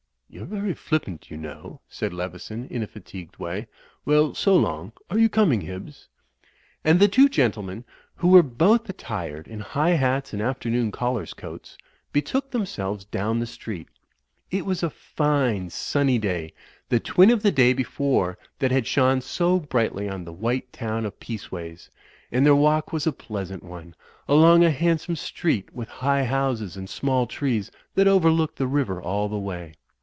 "You're very flippant, you know," said Leveson, in a fatigued way. "Well, so long. Are you coming, Hibbs?" And the two gentlemen, who were both attired in u,y,u.«u by Google . THE TURK AND THE FUTURISTS 249 high hats and afternoon callers' coats, betook them selves down the street. It was a fine, sunny day, the twin of the day before that had shone so brightly on the white town of Peaceways; and their walk was a pleasant one, along a handsome street with high houses and small trees that overlooked the river all the way.